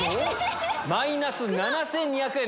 マイナス７２００円。